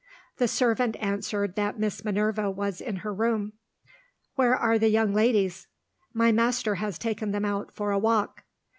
The servant answered that Miss Minerva was in her room. "Where are the young ladies?" "My master has taken them out for a walk."